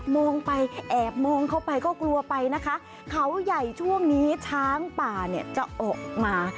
มองไปแอบมองเข้าไปก็กลัวไปนะคะเขาใหญ่ช่วงนี้ช้างป่าเนี่ยจะออกมา